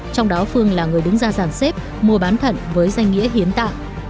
trong đó phương là người đứng ra giảng xếp mua bán thận với danh nghĩa hiến tạng